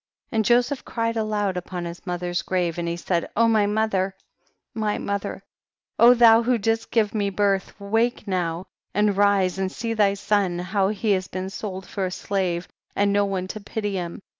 31. And Joseph cried aloud upon his mother's grave, and he said, O my mother, my mother, O'thou who didst give me birth, awake now, and rise and see thy son, how he has been sold for a slave, and no one to pity him.